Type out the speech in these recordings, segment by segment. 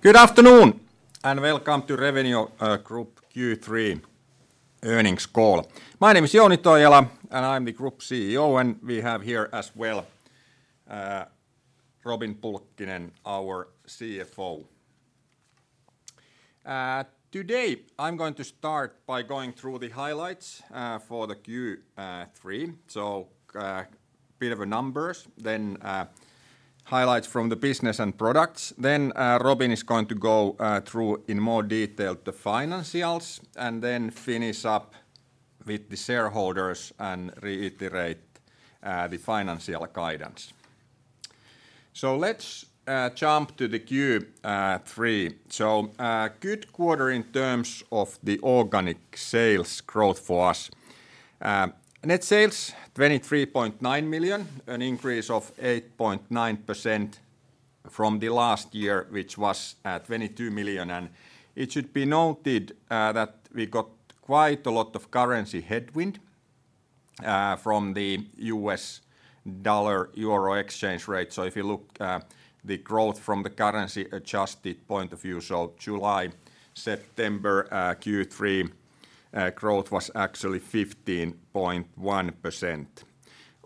Good afternoon and Welcome to Revenio Group Q3 Earnings Call. My name is Jouni Toijala and I'm the Group CEO, and we have here as well Robin Pulkkinen, our CFO. Today I'm going to start by going through the highlights for the Q3. So a bit of numbers, then highlights from the business and products. Then Robin is going to go through in more detail the financials and then finish up with the shareholders and reiterate the financial guidance. So let's jump to the Q3. So good quarter in terms of the organic sales growth for us. Net sales 23.9 million, an increase of 8.9% from the last year, which was 22 million. And it should be noted that we got quite a lot of currency headwind from the U.S. dollar/euro exchange rate. So if you look at the growth from the currency adjusted point of view, so July, September, Q3, growth was actually 15.1%.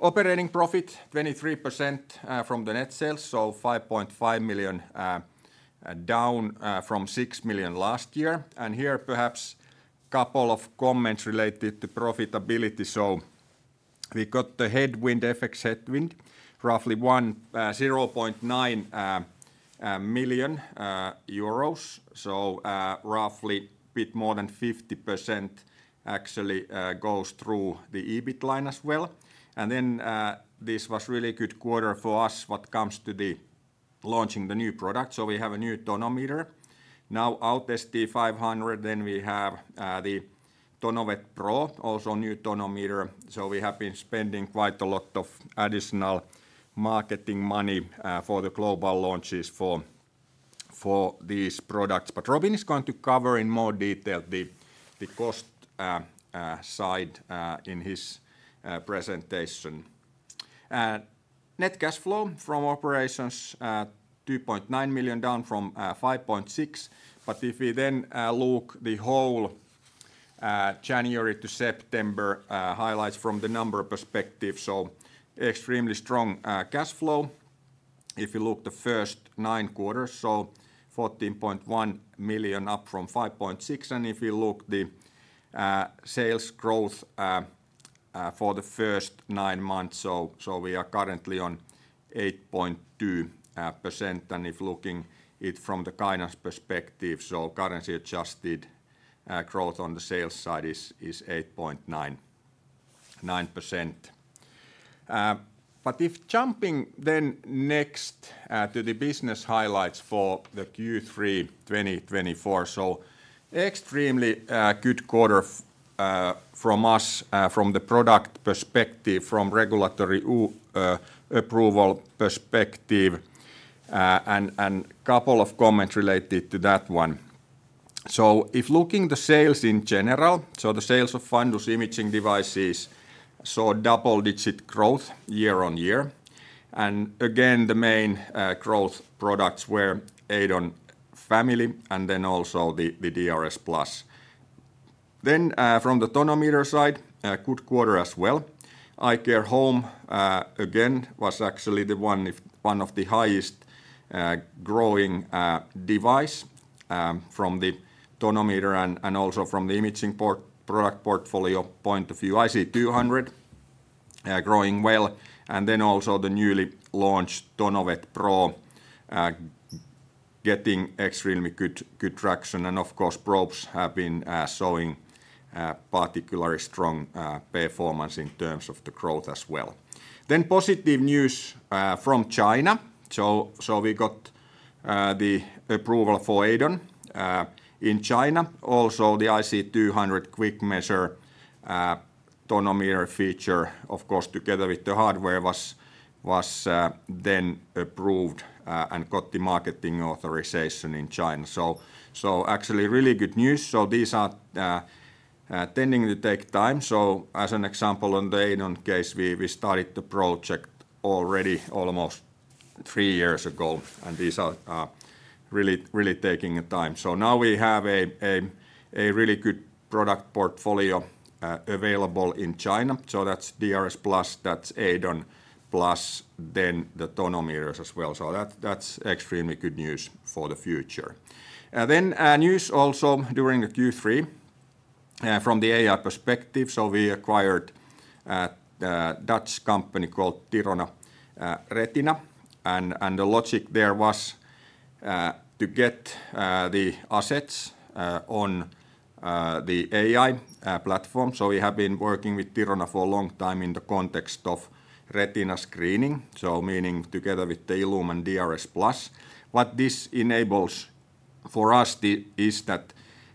Operating profit 23% from the net sales, so 5.5 million down from 6 million last year. And here perhaps a couple of comments related to profitability. So we got the headwind, FX headwind, roughly 0.9 million euros. So roughly a bit more than 50% actually goes through the EBIT line as well. And then this was a really good quarter for us when it comes to launching the new product. So we have a new tonometer, now ST500, then we have the TONOVET Pro, also a new tonometer. So we have been spending quite a lot of additional marketing money for the global launches for these products. But Robin is going to cover in more detail the cost side in his presentation. Net cash flow from operations: 2.9 million, down from 5.6 million. But if we then look at the whole January to September highlights from the number perspective, so extremely strong cash flow. If you look at the first nine quarters, so 14.1 million up from 5.6 million. And if you look at the sales growth for the first nine months, so we are currently on 8.2%. And if looking at it from the guidance perspective, so currency adjusted growth on the sales side is 8.9%. But if jumping then next to the business highlights for the Q3 2024, so extremely good quarter from us from the product perspective, from regulatory approval perspective. And a couple of comments related to that one. So if looking at the sales in general, so the sales of fundus imaging devices saw double-digit growth year-on-year. And again, the main growth products were EIDON family and then also the DRSplus. Then from the tonometer side, good quarter as well. iCare HOME again was actually the one of the highest growing devices from the tonometer and also from the imaging product portfolio point of view. IC200 growing well. And then also the newly launched TONOVET Pro getting extremely good traction. And of course, probes have been showing particularly strong performance in terms of the growth as well. Then positive news from China. So we got the approval for EIDON in China. Also the IC200 Quick Measure tonometer feature, of course, together with the hardware was then approved and got the marketing authorization in China. So actually really good news. So these are tending to take time. So as an example, on the EIDON case, we started the project already almost three years ago. And these are really taking time. So now we have a really good product portfolio available in China. So that's DRSplus, that's EIDON Plus, then the tonometers as well. So that's extremely good news for the future. Then news also during the Q3 from the AI perspective. So we acquired a Dutch company called Thirona Retina. And the logic there was to get the assets on the AI platform. So we have been working with Thirona for a long time in the context of retina screening, so meaning together with the ILLUME and DRSplus. What this enables for us is that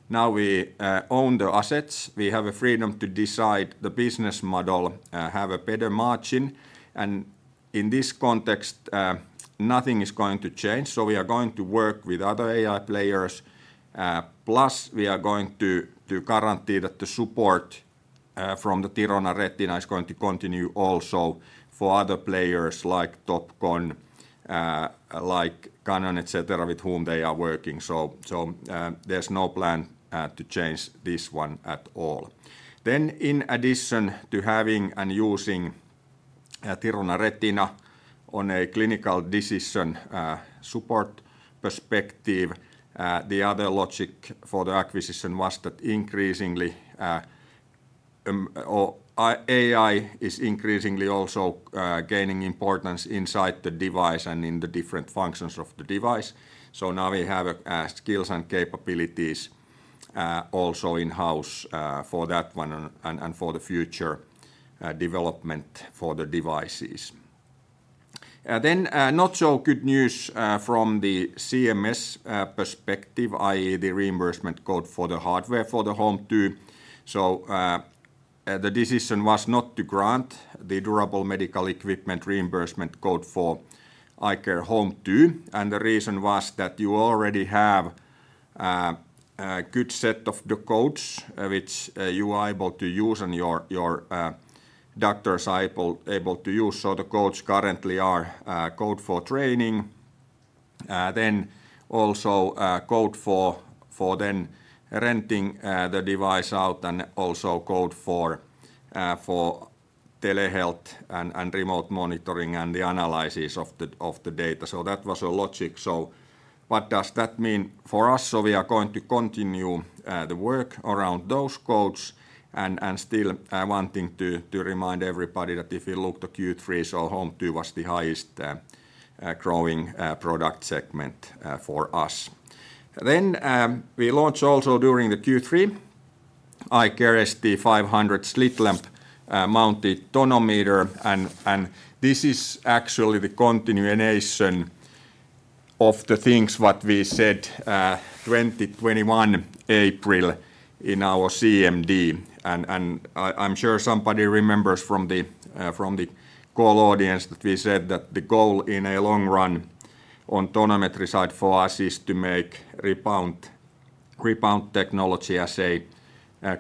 now we own the assets. We have a freedom to decide the business model, have a better margin. And in this context, nothing is going to change. So we are going to work with other AI players. Plus we are going to guarantee that the support from the Thirona Retina is going to continue also for other players like Topcon, like Canon, etc., with whom they are working. So there's no plan to change this one at all. Then in addition to having and using Thirona Retina on a clinical decision support perspective, the other logic for the acquisition was that increasingly AI is increasingly also gaining importance inside the device and in the different functions of the device. So now we have skills and capabilities also in-house for that one and for the future development for the devices. Then not so good news from the CMS perspective, i.e., the reimbursement code for the hardware for the iCare HOME2. So the decision was not to grant the durable medical equipment reimbursement code for iCare HOME2. The reason was that you already have a good set of the codes which you are able to use and your doctor is able to use. So the codes currently are code for training, then also code for then renting the device out, and also code for telehealth and remote monitoring and the analysis of the data. So that was a logic. So what does that mean for us? So we are going to continue the work around those codes. And still wanting to remind everybody that if you look at the Q3, so HOME2 was the highest growing product segment for us. Then we launched also during the Q3 iCare ST500 slit lamp mounted tonometer. And this is actually the continuation of the things what we said 2021 April in our CMD. I'm sure somebody remembers from the call audience that we said that the goal in a long run on tonometry side for us is to make rebound technology as a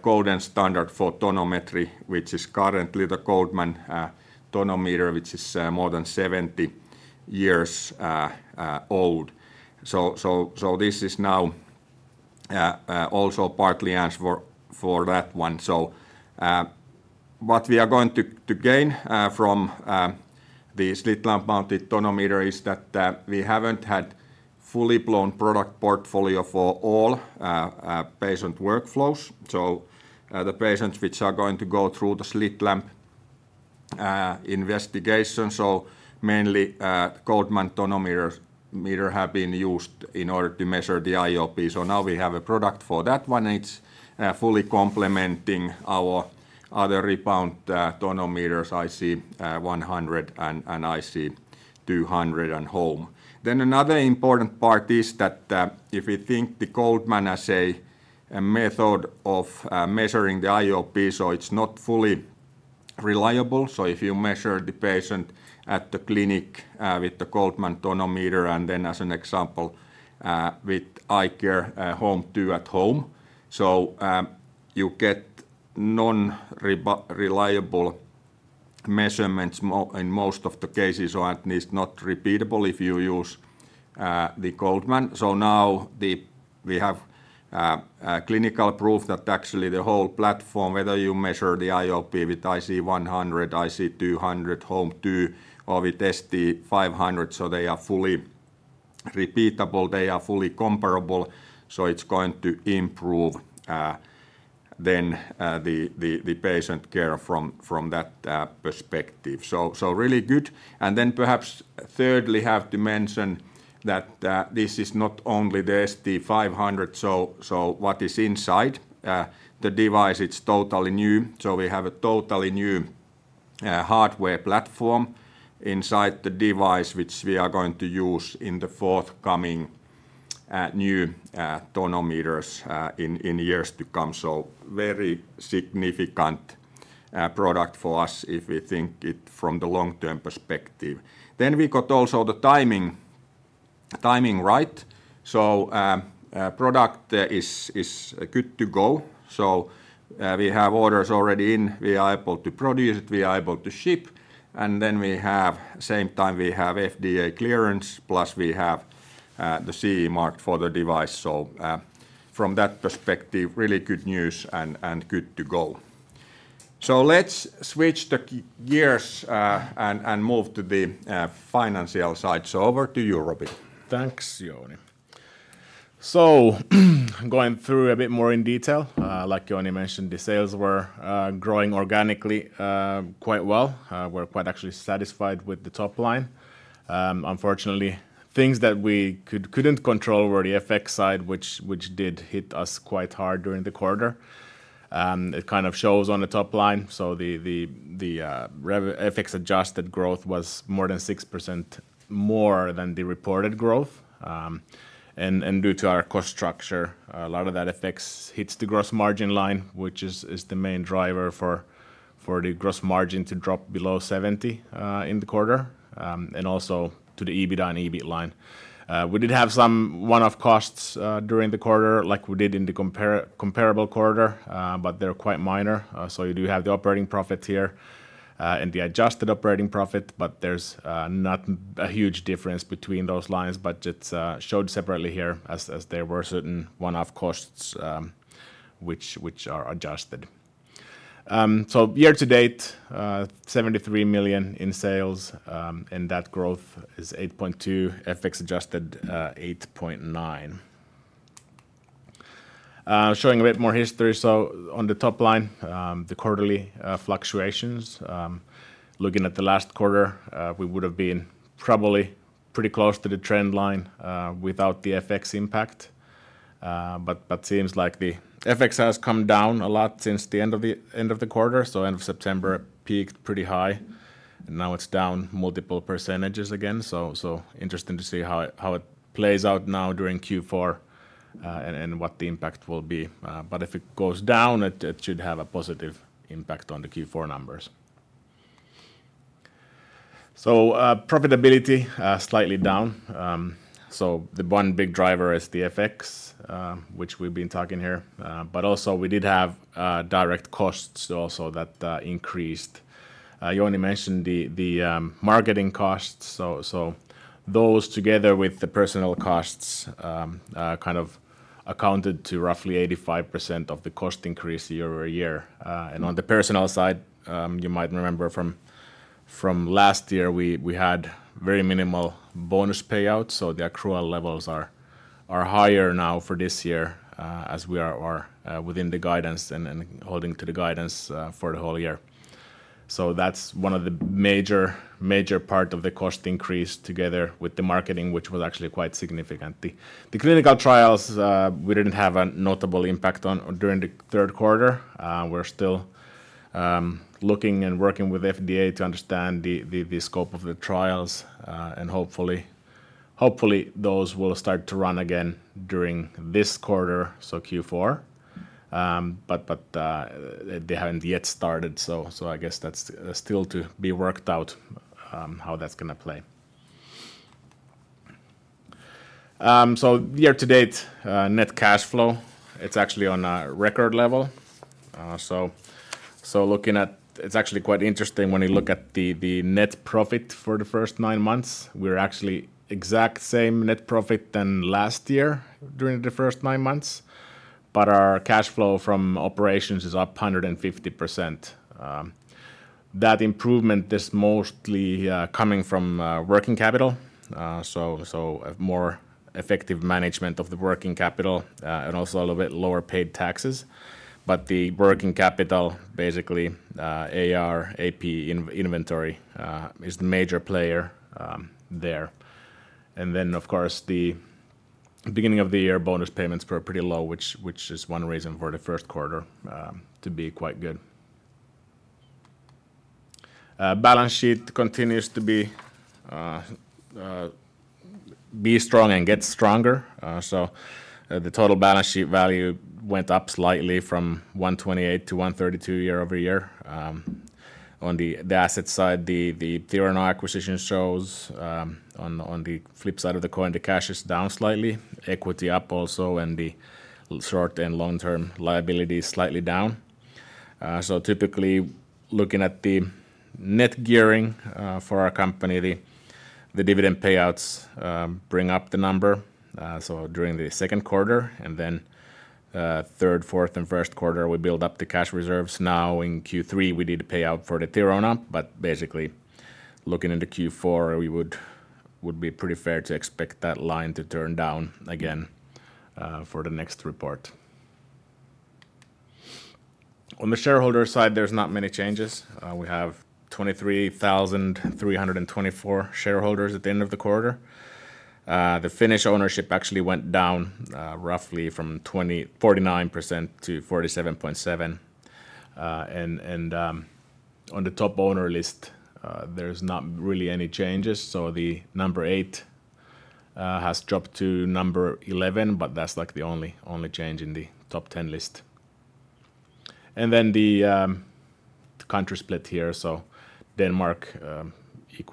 gold standard for tonometry, which is currently the Goldmann tonometer, which is more than 70 years old. This is now also partly answer for that one. What we are going to gain from the slit lamp mounted tonometer is that we haven't had full-blown product portfolio for all patient workflows. The patients which are going to go through the slit lamp investigation, so mainly Goldmann tonometer have been used in order to measure the IOP. Now we have a product for that one. It's fully complementing our other rebound tonometers, IC100 and IC200 and HOME2. Then another important part is that if we think the Goldmann as a method of measuring the IOP, so it's not fully reliable. So if you measure the patient at the clinic with the Goldmann tonometer and then as an example with iCare HOME2 at home, so you get non-reliable measurements in most of the cases, so it is not repeatable if you use the Goldmann. So now we have clinical proof that actually the whole platform, whether you measure the IOP with IC100, IC200, HOME2, or with ST500, so they are fully repeatable, they are fully comparable. So it's going to improve then the patient care from that perspective. So really good. And then perhaps thirdly have to mention that this is not only the ST500, so what is inside the device, it's totally new. So we have a totally new hardware platform inside the device, which we are going to use in the forthcoming new tonometers in years to come. So very significant product for us if we think it from the long-term perspective. Then we got also the timing right. So product is good to go. So we have orders already in. We are able to produce it. We are able to ship. And then we have same time we have FDA clearance plus we have the CE marked for the device. So from that perspective, really good news and good to go. So let's switch the gears and move to the financial side. So over to you, Robin. Thanks, Jouni. So going through a bit more in detail, like Jouni mentioned, the sales were growing organically quite well. We're quite actually satisfied with the top line. Unfortunately, things that we couldn't control were the FX side, which did hit us quite hard during the quarter. It kind of shows on the top line. So the FX adjusted growth was more than 6% more than the reported growth. And due to our cost structure, a lot of that FX hits the gross margin line, which is the main driver for the gross margin to drop below 70% in the quarter. And also to the EBITDA and EBIT line. We did have some one-off costs during the quarter, like we did in the comparable quarter, but they're quite minor. You do have the operating profit here and the adjusted operating profit, but there's not a huge difference between those lines, but it's shown separately here as there were certain one-off costs which are adjusted. So year to date, 73 million in sales, and that growth is 8.2%, FX adjusted 8.9%. Showing a bit more history. So on the top line, the quarterly fluctuations, looking at the last quarter, we would have been probably pretty close to the trend line without the FX impact. But it seems like the FX has come down a lot since the end of the quarter. So end of September peaked pretty high, and now it's down multiple percentages again. So interesting to see how it plays out now during Q4 and what the impact will be. But if it goes down, it should have a positive impact on the Q4 numbers. So, profitability slightly down. The one big driver is the FX, which we've been talking here. But also we did have direct costs also that increased. Jouni mentioned the marketing costs. So those together with the personal costs kind of accounted to roughly 85% of the cost increase year-over-year. And on the personal side, you might remember from last year we had very minimal bonus payouts. So the accrual levels are higher now for this year as we are within the guidance and holding to the guidance for the whole year. So that's one of the major parts of the cost increase together with the marketing, which was actually quite significant. The clinical trials, we didn't have a notable impact on during the Q3. We're still looking and working with FDA to understand the scope of the trials. And hopefully those will start to run again during this quarter, so Q4. But they haven't yet started. So I guess that's still to be worked out how that's going to play. So year to date, net cash flow, it's actually on a record level. So looking at, it's actually quite interesting when you look at the net profit for the first nine months. We're actually exact same net profit than last year during the first nine months. But our cash flow from operations is up 150%. That improvement is mostly coming from working capital. So more effective management of the working capital and also a little bit lower paid taxes. But the working capital, basically AR, AP inventory is the major player there. And then of course the beginning of the year bonus payments were pretty low, which is one reason for the Q1 to be quite good. Balance sheet continues to be strong and gets stronger. The total balance sheet value went up slightly from 128-132 year-over-year. On the asset side, the Thirona acquisition shows. On the flip side of the coin, the cash is down slightly, equity up also, and the short- and long-term liability is slightly down. Typically looking at the net gearing for our company, the dividend payouts bring up the number. During the Q2 and then Q3, Q4, and Q1, we build up the cash reserves. Now in Q3, we did pay out for the Thirona, but basically looking into Q4, we would be pretty fair to expect that line to turn down again for the next report. On the shareholder side, there's not many changes. We have 23,324 shareholders at the end of the quarter. The Finnish ownership actually went down roughly from 49% to 47.7%. And on the top owner list, there's not really any changes. So the number eight has dropped to number 11, but that's like the only change in the top 10 list. And then the country split here. So Denmark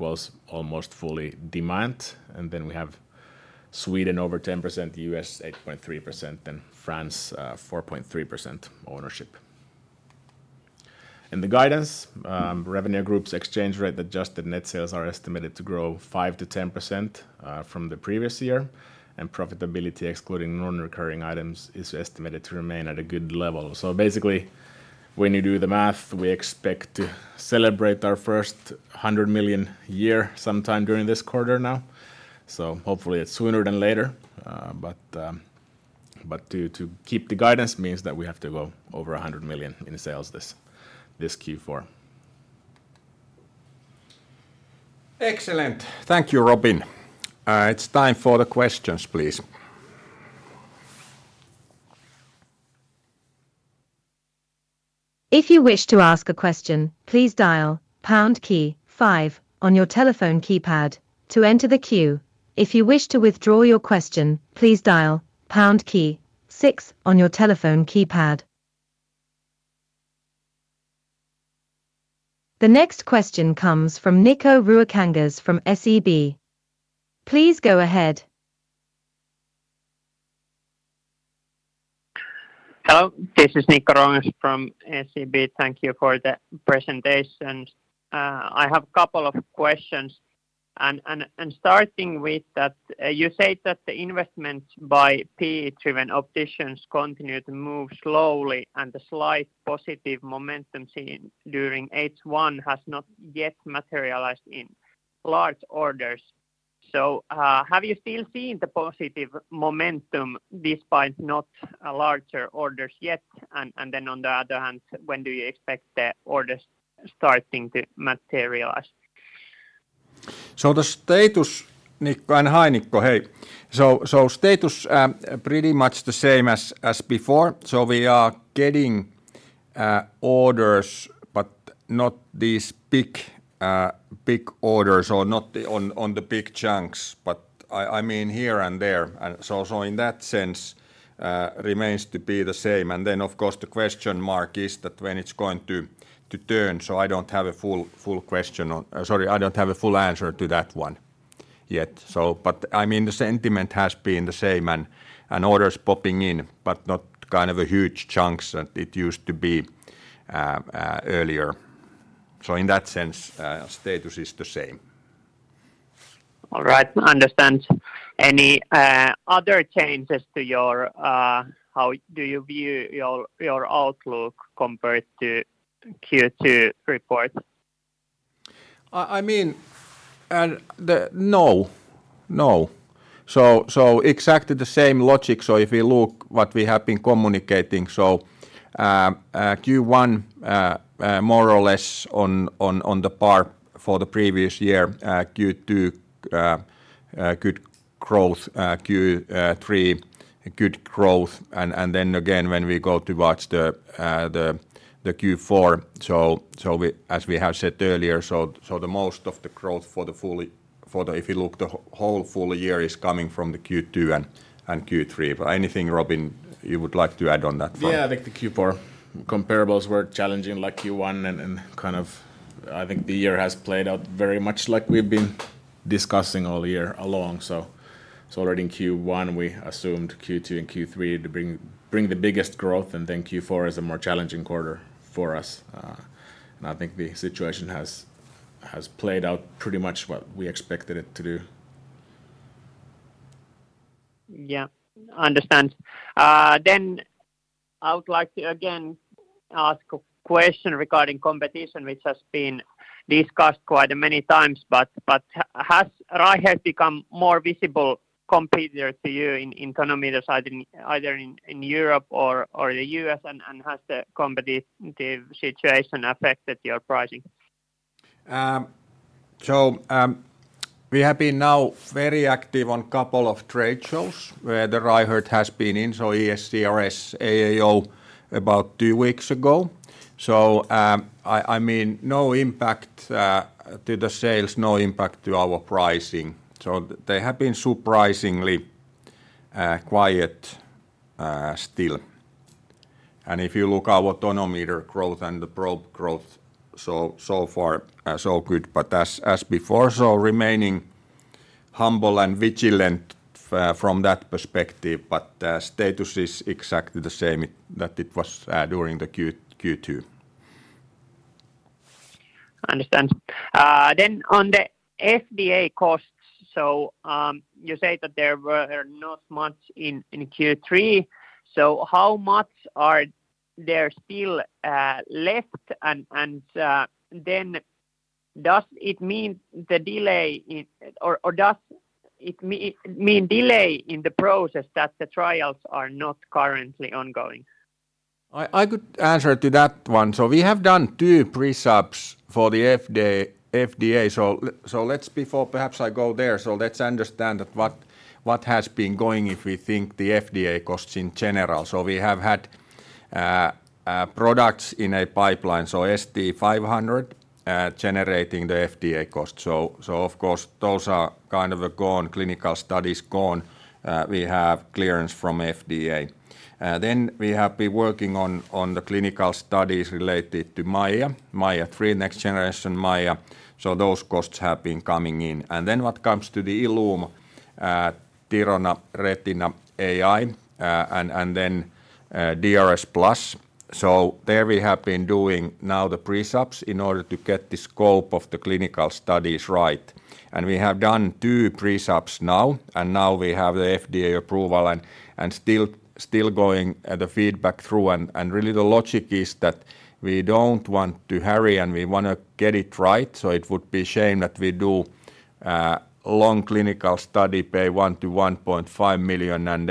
is almost fully domestic. And then we have Sweden over 10%, U.S. 8.3%, and France 4.3% ownership. And the guidance, Revenio Group's exchange rate adjusted net sales are estimated to grow 5%-10% from the previous year. And profitability excluding non-recurring items is estimated to remain at a good level. So basically when you do the math, we expect to celebrate our first 100 million year sometime during this quarter now. So hopefully it's sooner than later. But to keep the guidance means that we have to go over 100 million in sales this Q4. Excellent. Thank you, Robin. It's time for the questions, please. If you wish to ask a question, please dial pound key five on your telephone keypad to enter the queue. If you wish to withdraw your question, please dial pound key six on your telephone keypad. The next question comes from Nikko Ruokangas from SEB. Please go ahead. Hello, this is Nikko Ruokangas from SEB. Thank you for the presentation. I have a couple of questions, and starting with that, you said that the investment by PE-driven opticians continued to move slowly and the slight positive momentum seen during H1 has not yet materialized in large orders, so have you still seen the positive momentum despite not larger orders yet, and then on the other hand, when do you expect the orders starting to materialize? So the status, Nikko and Hi Nikko, hey. So status pretty much the same as before. So we are getting orders, but not these big orders or not on the big chunks, but I mean here and there. And so in that sense, remains to be the same. And then of course the question mark is that when it's going to turn. So I don't have a full question. Sorry, I don't have a full answer to that one yet. But I mean the sentiment has been the same and orders popping in, but not kind of a huge chunks that it used to be earlier. So in that sense, status is the same. All right. Understand. Any other changes? How do you view your outlook compared to Q2 report? I mean, no, no. So exactly the same logic. So if we look what we have been communicating, so Q1 more or less on par for the previous year, Q2 good growth, Q3 good growth. And then again when we go towards the Q4, so as we have said earlier, so the most of the growth for the full, if you look the whole full year is coming from the Q2 and Q3. But anything, Robin, you would like to add on that? Yeah, I think the Q4 comparables were challenging like Q1 and kind of I think the year has played out very much like we've been discussing all year along. So it's already in Q1, we assumed Q2 and Q3 to bring the biggest growth and then Q4 is a more challenging quarter for us. And I think the situation has played out pretty much what we expected it to do. Yeah, understand. Then I would like to again ask a question regarding competition, which has been discussed quite many times, but has Reichert become more visible competitor to you in economies either in Europe or the U.S., and has the competitive situation affected your pricing? So, we have been now very active on a couple of trade shows where the Reichert has been in, so ESCRS, AAO about two weeks ago. So, I mean, no impact to the sales, no impact to our pricing. So, they have been surprisingly quiet still. And if you look at our tonometer growth and the probe growth so far, so good, but as before, so remaining humble and vigilant from that perspective, but status is exactly the same that it was during the Q2. Understand. Then on the FDA costs, so you say that there were not much in Q3. So how much are there still left? And then does it mean the delay or does it mean delay in the process that the trials are not currently ongoing? I could answer to that one, so we have done two pre-subs for the FDA. Let's understand what has been going on if we think of the FDA costs in general. We have had products in a pipeline, so ST500 generating the FDA cost. So of course those are kind of gone, clinical studies gone. We have clearance from FDA. Then we have been working on the clinical studies related to MAIA, MAIA 3, next generation MAIA. So those costs have been coming in, and then what comes to the ILLUME, Thirona, Retina, AI, and then DRSplus. So there we have been doing now the pre-subs in order to get the scope of the clinical studies right, and we have done two pre-subs now, and now we have the FDA approval and still going the feedback through. Really, the logic is that we don't want to hurry and we want to get it right. So it would be a shame that we do a long clinical study that costs 1 million-1.5 million, and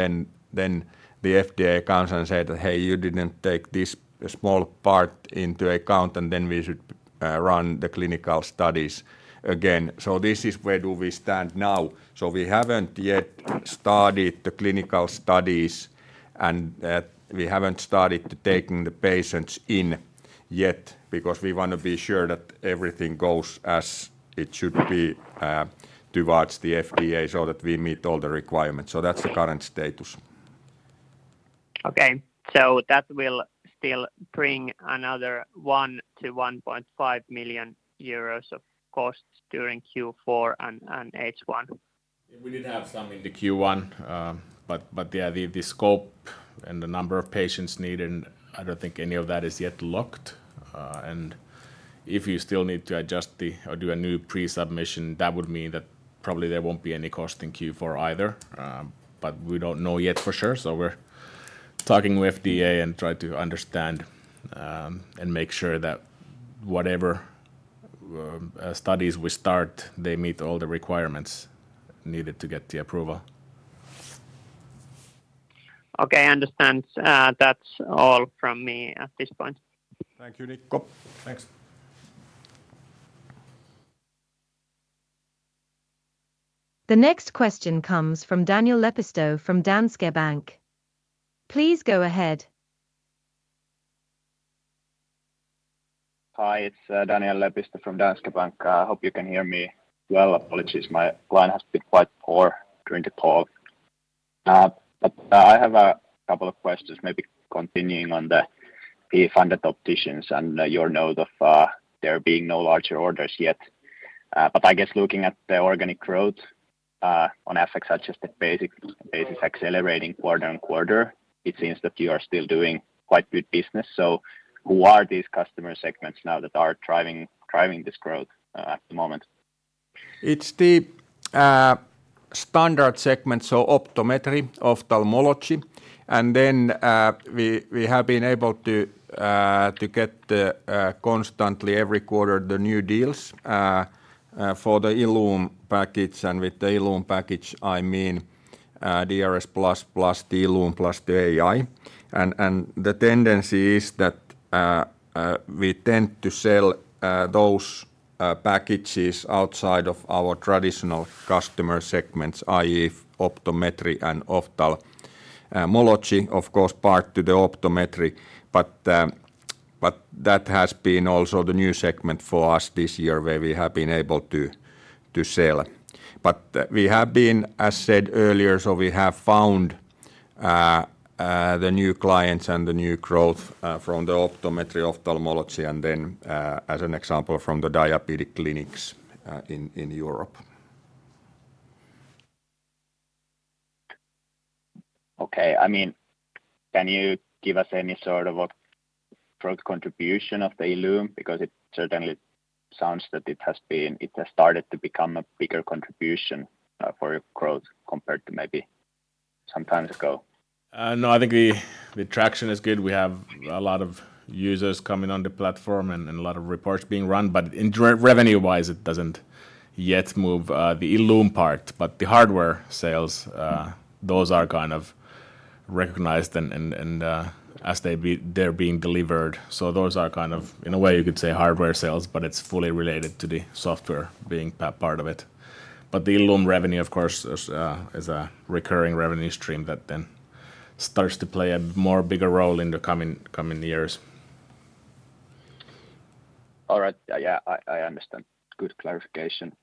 then the FDA comes and says that, hey, you didn't take this small part into account, and then we should run the clinical studies again. So this is where we stand now. We haven't yet started the clinical studies, and we haven't started taking the patients in yet because we want to be sure that everything goes as it should be towards the FDA so that we meet all the requirements. That's the current status. Okay, so that will still bring another 1 million-1.5 million euros of costs during Q4 and H1. We did have some in the Q1, but yeah, the scope and the number of patients needed. I don't think any of that is yet locked, and if you still need to adjust or do a new pre-submission, that would mean that probably there won't be any cost in Q4 either, but we don't know yet for sure, so we're talking with FDA and try to understand and make sure that whatever studies we start, they meet all the requirements needed to get the approval. Okay, I understand. That's all from me at this point. Thank you, Nikko. Thanks. The next question comes from Daniel Lepistö from Danske Bank. Please go ahead. Hi, it's Daniel Lepistö from Danske Bank. I hope you can hear me well. Apologies, my line has been quite poor during the call. But I have a couple of questions, maybe continuing on the PE funded opticians and your note of there being no larger orders yet. But I guess looking at the organic growth on FX adjusted basis accelerating quarter on quarter, it seems that you are still doing quite good business. So who are these customer segments now that are driving this growth at the moment? It's the standard segment, so optometry, ophthalmology. And then we have been able to get constantly every quarter the new deals for the ILLUME package. And with the ILLUME package, I mean DRSplus plus the ILLUME plus the AI. And the tendency is that we tend to sell those packages outside of our traditional customer segments, i.e., optometry and ophthalmology, of course part to the optometry. But that has been also the new segment for us this year where we have been able to sell. But we have been, as said earlier, so we have found the new clients and the new growth from the optometry, ophthalmology, and then as an example from the diabetic clinics in Europe. Okay, I mean, can you give us any sort of a growth contribution of the ILLUME? Because it certainly sounds that it has been, it has started to become a bigger contribution for growth compared to maybe some time ago. No, I think the traction is good. We have a lot of users coming on the platform and a lot of reports being run. But revenue-wise, it doesn't yet move the ILLUME part. But the hardware sales, those are kind of recognized and as they're being delivered. So those are kind of, in a way, you could say hardware sales, but it's fully related to the software being part of it. But the ILLUME revenue, of course, is a recurring revenue stream that then starts to play a more bigger role in the coming years. All right, yeah, I understand. Good clarification.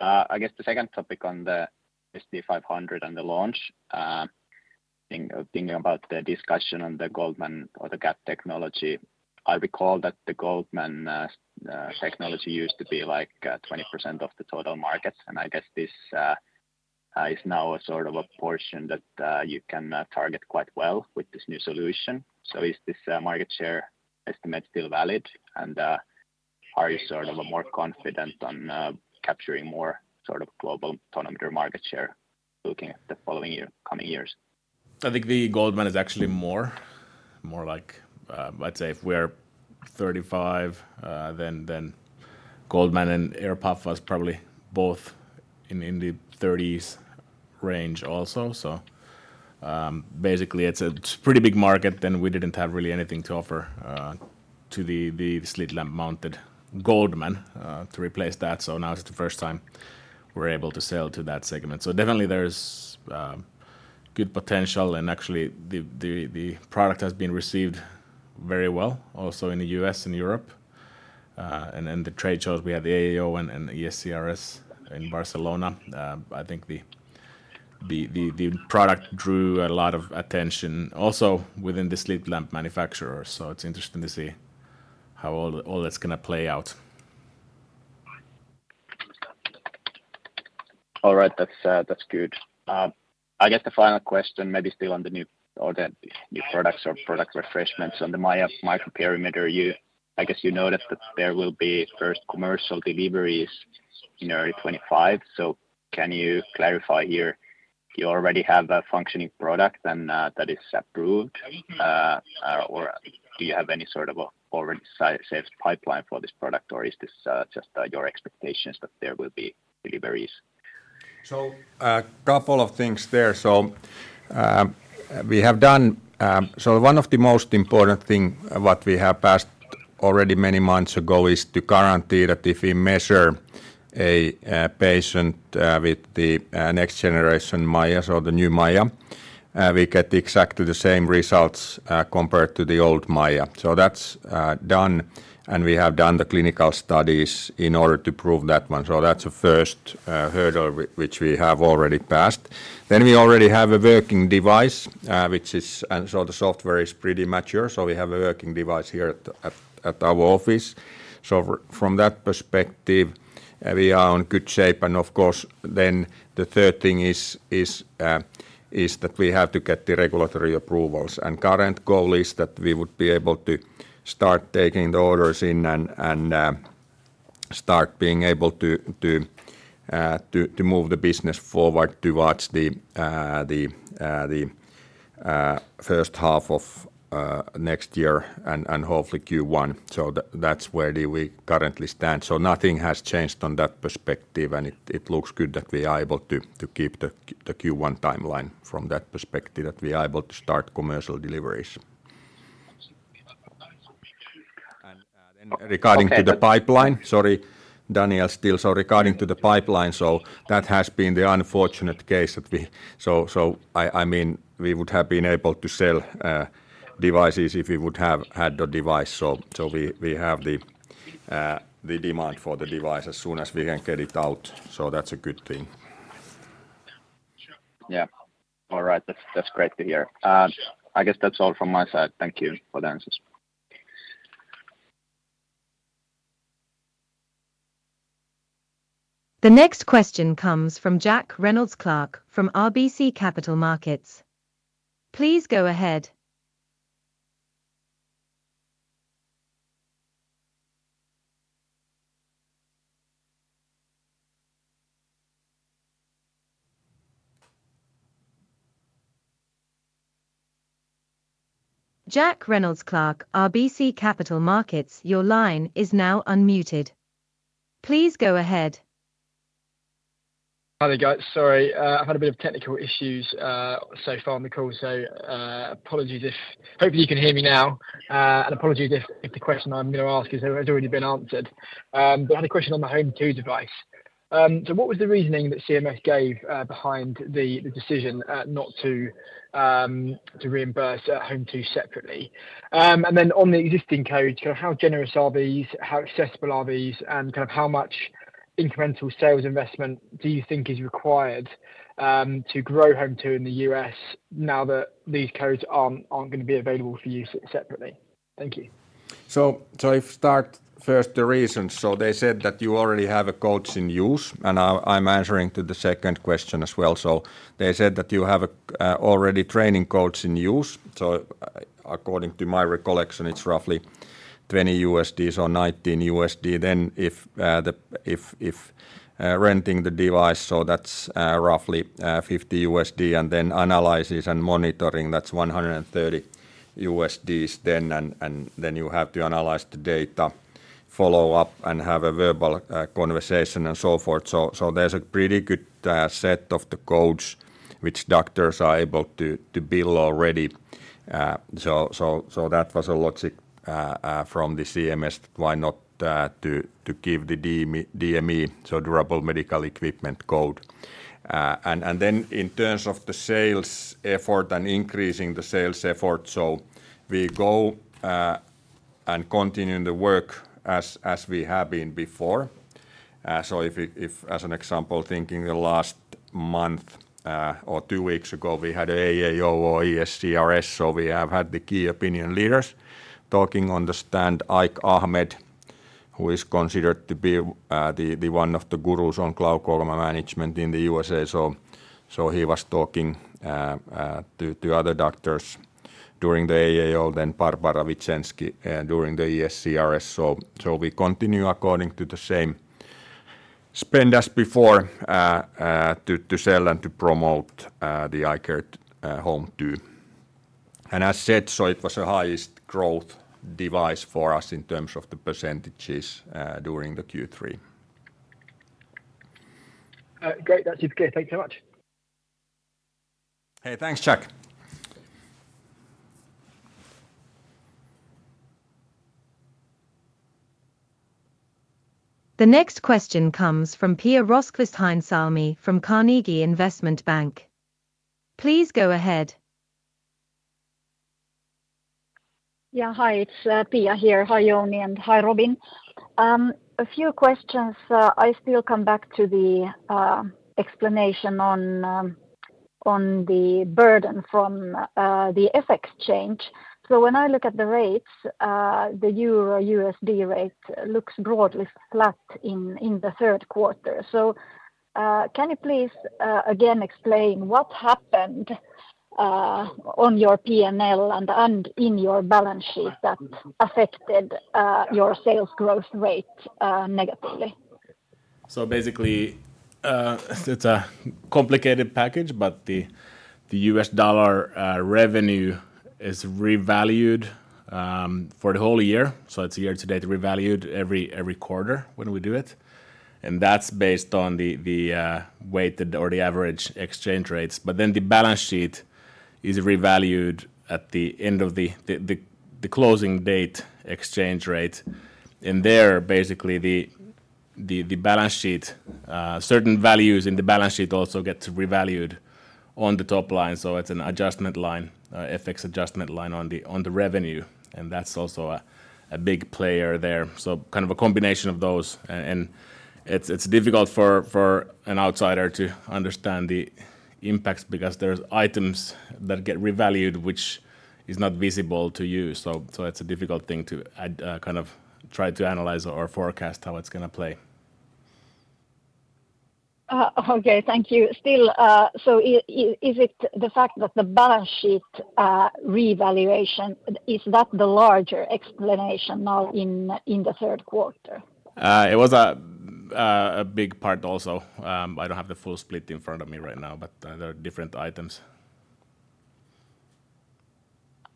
I guess the second topic on the ST500 and the launch, thinking about the discussion on the Goldmann or the GAT technology, I recall that the Goldmann technology used to be like 20% of the total market. And I guess this is now a sort of a portion that you can target quite well with this new solution. So is this market share estimate still valid? And are you sort of more confident on capturing more sort of global tonometer market share looking at the following coming years? I think the Goldmann is actually more like, let's say if we're 35, then Goldmann and air puff was probably both in the 30s range also. So basically it's a pretty big market and we didn't have really anything to offer to the slit lamp mounted Goldmann to replace that. So now it's the first time we're able to sell to that segment. So definitely there's good potential and actually the product has been received very well also in the U.S. and Europe. Then the trade shows, we had the AAO and ESCRS in Barcelona. I think the product drew a lot of attention also within the slit lamp manufacturers. So it's interesting to see how all that's going to play out. All right, that's good. I guess the final question maybe still on the new products or product refreshments on the MAIA microperimeter. I guess you noticed that there will be first commercial deliveries in early 2025. So can you clarify here, you already have a functioning product and that is approved? Or do you have any sort of already saved pipeline for this product or is this just your expectations that there will be deliveries? So a couple of things there. So we have done, so one of the most important things what we have passed already many months ago is to guarantee that if we measure a patient with the next generation MAIA, so the new MAIA, we get exactly the same results compared to the old MAIA. So that's done and we have done the clinical studies in order to prove that one. So that's a first hurdle which we have already passed. Then we already have a working device, which is, and so the software is pretty mature. So we have a working device here at our office. So from that perspective, we are in good shape. And of course then the third thing is that we have to get the regulatory approvals. Current goal is that we would be able to start taking the orders in and start being able to move the business forward towards the first half of next year and hopefully Q1. That's where we currently stand. Nothing has changed on that perspective and it looks good that we are able to keep the Q1 timeline from that perspective that we are able to start commercial deliveries. Then regarding to the pipeline, sorry, Daniel, still, so regarding to the pipeline, so that has been the unfortunate case that we, so I mean we would have been able to sell devices if we would have had the device. We have the demand for the device as soon as we can get it out. That's a good thing. Yeah, all right, that's great to hear. I guess that's all from my side. Thank you for the answers. The next question comes from Jack Reynolds-Clark from RBC Capital Markets. Please go ahead. Jack Reynolds-Clark, RBC Capital Markets, your line is now unmuted. Please go ahead. Hi there, guys. Sorry, I've had a bit of technical issues so far on the call, so apologies if, hopefully you can hear me now. And apologies if the question I'm going to ask has already been answered. But I had a question on the HOME2 device. So what was the reasoning that CMS gave behind the decision not to reimburse HOME2 separately? And then on the existing codes, kind of how generous are these, how accessible are these, and kind of how much incremental sales investment do you think is required to grow HOME2 in the U.S. now that these codes aren't going to be available for use separately? Thank you. I'll start first with the reasons. They said that you already have codes in use, and I'm answering the second question as well. They said that you have already training codes in use. According to my recollection, it's roughly $20, so $19. Then if renting the device, that's roughly $50. Then analysis and monitoring, that's $130. You have to analyze the data, follow-up, and have a verbal conversation and so forth. There's a pretty good set of the codes which doctors are able to bill already. That was the logic from the CMS that why not to give the DME, so Durable Medical Equipment code. In terms of the sales effort and increasing the sales effort, we go and continue the work as we have been before. So if, as an example, thinking the last month or two weeks ago, we had an AAO or ESCRS. We have had the key opinion leaders talking on the stand, Ike Ahmed, who is considered to be one of the gurus on glaucoma management in the USA. He was talking to other doctors during the AAO, then Barbara Wirostko during the ESCRS. We continue according to the same spend as before to sell and to promote the iCare HOME2. As said, it was the highest growth device for us in terms of the percentages during the Q3. Great, that's it. Okay, thank you so much. Hey, thanks, Jack. The next question comes from Pia Rosqvist-Heinsalmi from Carnegie Investment Bank. Please go ahead. Yeah, hi, it's Pia here. Hi, Jouni, and hi, Robin. A few questions. I still come back to the explanation on the burden from the FX change. So when I look at the rates, the euro USD rate looks broadly flat in the Q3. So can you please again explain what happened on your P&L and in your balance sheet that affected your sales growth rate negatively? So basically, it's a complicated package, but the U.S. dollar revenue is revalued for the whole year. So it's year-to-date revalued every quarter when we do it. And that's based on the weighted or the average exchange rates. But then the balance sheet is revalued at the end of the closing date exchange rate. And there basically the balance sheet, certain values in the balance sheet also get revalued on the top line. So it's an adjustment line, FX adjustment line on the revenue. And that's also a big player there. So kind of a combination of those. And it's difficult for an outsider to understand the impacts because there are items that get revalued which is not visible to you. So it's a difficult thing to kind of try to analyze or forecast how it's going to play. Okay, thank you. Still, so is it the fact that the balance sheet revaluation, is that the larger explanation now in the Q3? It was a big part also. I don't have the full split in front of me right now, but there are different items.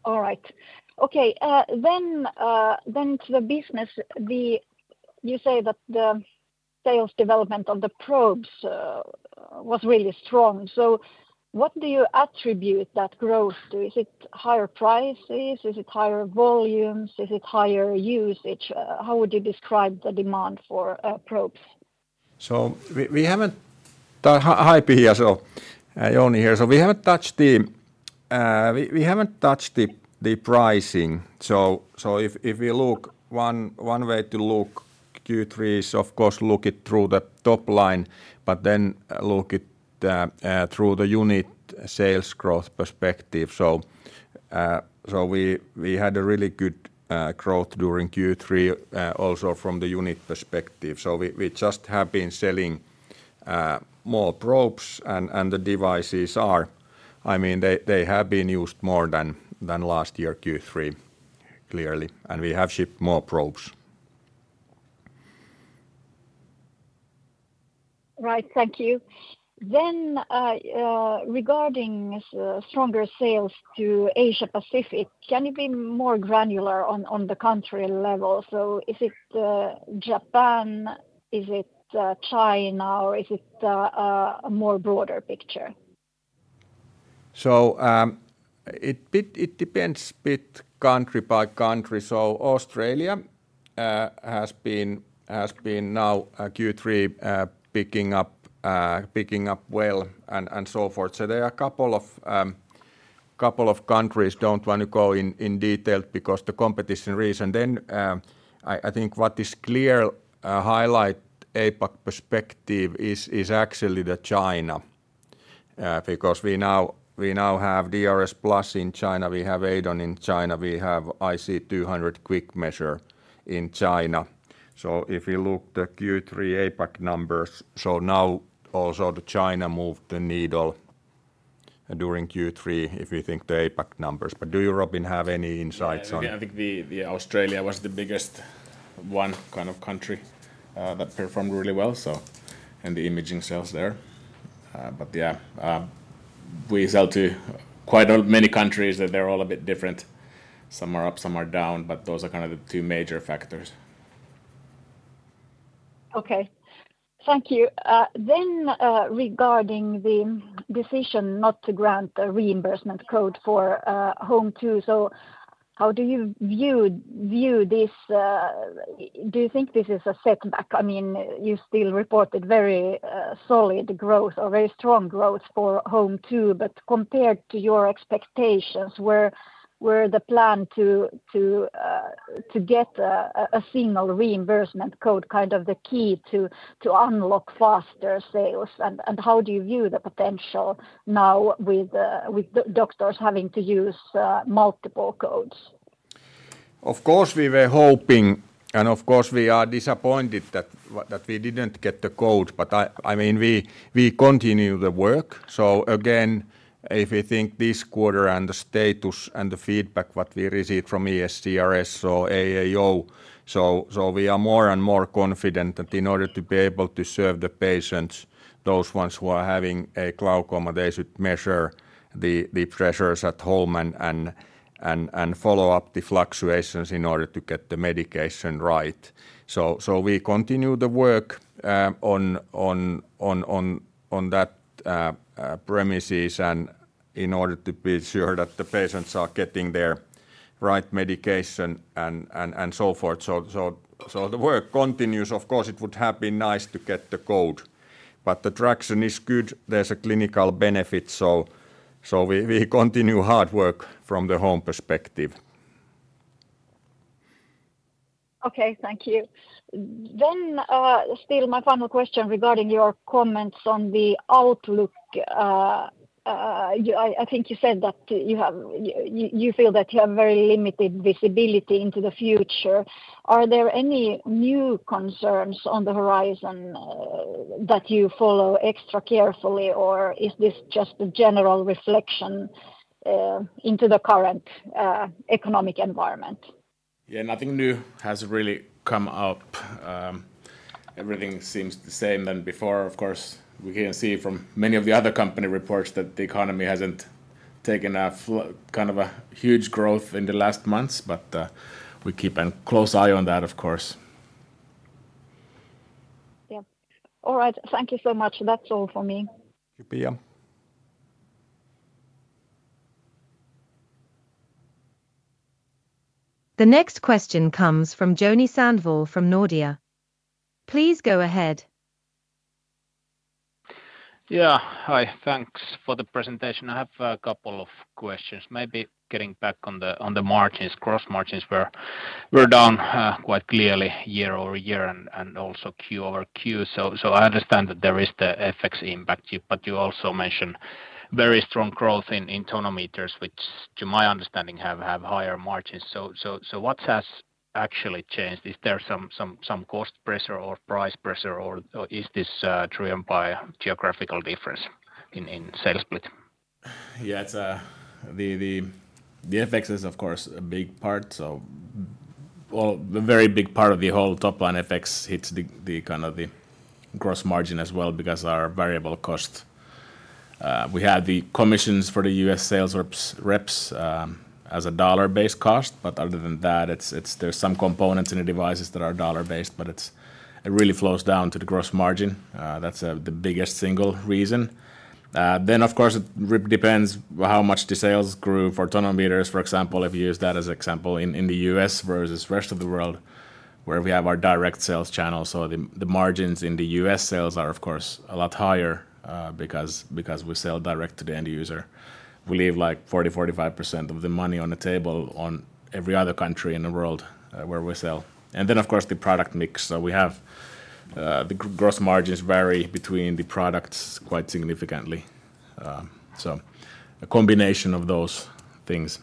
All right. Okay, then to the business, you say that the sales development of the probes was really strong. So what do you attribute that growth to? Is it higher prices? Is it higher volumes? Is it higher usage? How would you describe the demand for probes? Hi, Pia. Jouni here. We haven't touched the pricing. If we look, one way to look at Q3 is of course to look at it through the top line, but then look at it through the unit sales growth perspective. We had a really good growth during Q3 also from the unit perspective. We just have been selling more probes and the devices are, I mean, they have been used more than last year Q3 clearly. And we have shipped more probes. Right, thank you. Then regarding stronger sales to Asia Pacific, can you be more granular on the country level? So is it Japan, is it China, or is it a more broader picture? So it depends a bit country by country. Australia has been now Q3 picking up well and so forth. There are a couple of countries I don't want to go in detail because of the competitive reasons. Then I think what is clear highlight APAC perspective is actually the China. Because we now have DRSplus in China, we have EIDON in China, we have IC200 Quick Measure in China. So if you look at the Q3 APAC numbers, so now also the China moved the needle during Q3 if you think the APAC numbers. But do you, Robin, have any insights on? Yeah, I think Australia was the biggest one kind of country that performed really well, and the imaging sales there. But yeah, we sell to quite many countries that they're all a bit different. Some are up, some are down, but those are kind of the two major factors. Okay, thank you. Then regarding the decision not to grant the reimbursement code for HOME2, so how do you view this? Do you think this is a setback? I mean, you still reported very solid growth or very strong growth for HOME2, but compared to your expectations, where the plan to get a single reimbursement code kind of the key to unlock faster sales? And how do you view the potential now with doctors having to use multiple codes? Of course, we were hoping, and of course we are disappointed that we didn't get the code. But I mean, we continue the work. So again, if you think this quarter and the status and the feedback what we received from ESCRS or AAO, so we are more and more confident that in order to be able to serve the patients, those ones who are having a glaucoma, they should measure the pressures at home and follow-up the fluctuations in order to get the medication right. So we continue the work on that premises and in order to be sure that the patients are getting their right medication and so forth. So the work continues. Of course, it would have been nice to get the code. But the traction is good. There's a clinical benefit. So we continue hard work from the home perspective. Okay, thank you. Then still my final question regarding your comments on the outlook. I think you said that you feel that you have very limited visibility into the future. Are there any new concerns on the horizon that you follow extra carefully, or is this just a general reflection into the current economic environment? Yeah, nothing new has really come up. Everything seems the same than before. Of course, we can see from many of the other company reports that the economy hasn't taken kind of a huge growth in the last months, but we keep a close eye on that, of course. Yeah, all right, thank you so much. That's all for me. Thank you, Pia. The next question comes from Joni Sandvall from Nordea. Please go ahead. Yeah, hi, thanks for the presentation. I have a couple of questions. Maybe getting back on the margins, gross margins were down quite clearly year-over-year and also Q-over-Q. So I understand that there is the FX impact, but you also mentioned very strong growth in tonometers, which to my understanding have higher margins. So what has actually changed? Is there some cost pressure or price pressure, or is this driven by geographical difference in sales split? Yeah, the FX is of course a big part. So a very big part of the whole top line FX hits the kind of the gross margin as well because our variable cost, we have the commissions for the U.S. sales reps as a dollar-based cost. But other than that, there's some components in the devices that are dollar-based, but it really flows down to the gross margin. That's the biggest single reason. Then of course it depends how much the sales grew for tonometers, for example, if you use that as an example in the U.S. versus the rest of the world where we have our direct sales channel. So the margins in the U.S. sales are of course a lot higher because we sell direct to the end user. We leave like 40%, 45% of the money on the table on every other country in the world where we sell. And then of course the product mix. So we have the gross margins vary between the products quite significantly. So a combination of those things.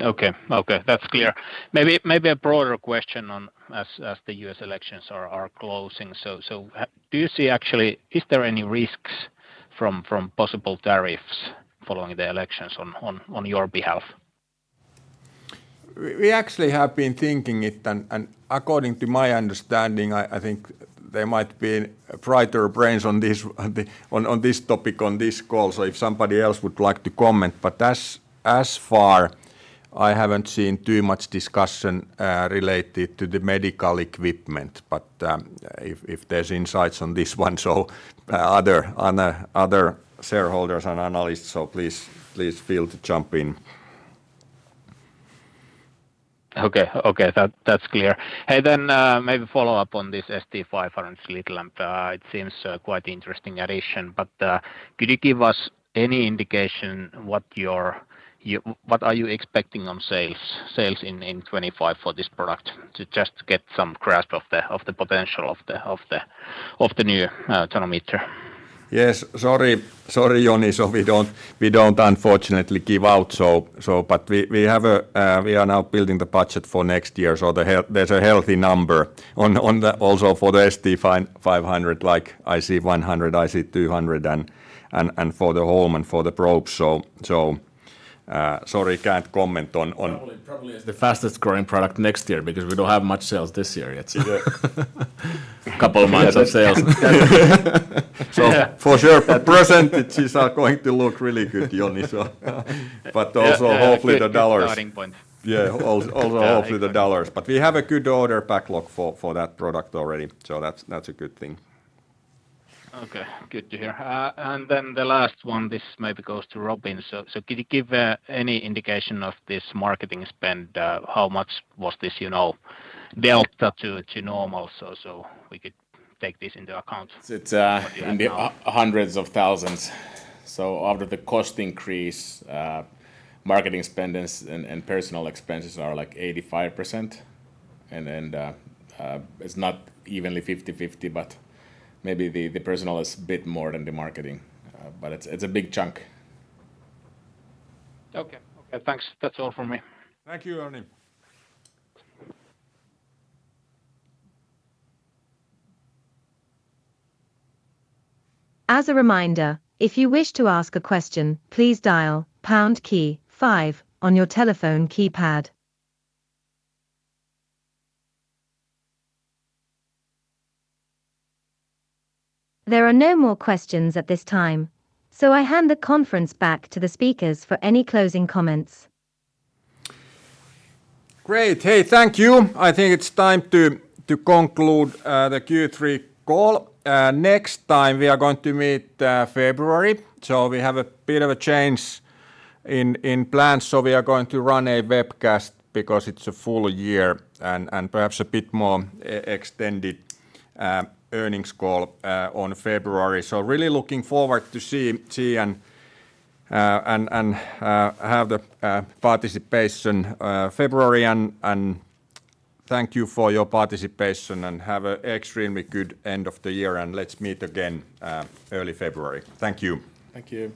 Okay, okay, that's clear. Maybe a broader question as the U.S. elections are closing. So do you see actually, is there any risks from possible tariffs following the elections on your behalf? We actually have been thinking it, and according to my understanding, I think there might be bright minds on this topic on this call. So if somebody else would like to comment. But as far, I haven't seen too much discussion related to the medical equipment. But if there's insights on this one, so other shareholders and analysts, so please feel free to jump in. Okay, okay, that's clear. Hey, then maybe follow-up on this ST500 slit lamp. It seems quite interesting addition. But could you give us any indication what are you expecting on sales in 2025 for this product to just get some grasp of the potential of the new tonometer? Yes, sorry, sorry, Joni, so we don't unfortunately give out. But we are now building the budget for next year. So there's a healthy number also for the ST500 like IC100, IC200, and for the home and for the probes. So sorry, can't comment on. Probably the fastest growing product next year because we don't have much sales this year yet. A couple of months of sales. [crossstalk] So for sure, the percentages are going to look really good, Joni. But also hopefully the dollars. Starting point. Yeah, also hopefully the dollars. But we have a good order backlog for that product already. So that's a good thing. Okay, good to hear. And then the last one, this maybe goes to Robin. So could you give any indication of this marketing spend? How much was this delta to normal so we could take this into account? It's in the hundreds of thousands. So after the cost increase, marketing spend and personal expenses are like 85%. And then it's not evenly 50/50, but maybe the personal is a bit more than the marketing. But it's a big chunk. Okay, okay, thanks. That's all from me. Thank you, Joni. As a reminder, if you wish to ask a question, please dial pound key five on your telephone keypad. There are no more questions at this time, so I hand the conference back to the speakers for any closing comments. Great. Hey, thank you. I think it's time to conclude the Q3 call. Next time we are going to meet February. So we have a bit of a change in plans. So we are going to run a webcast because it's a full year and perhaps a bit more extended earnings call on February. So really looking forward to see and have the participation in February. And thank you for your participation and have an extremely good end of the year. And let's meet again early February. Thank you. Thank you.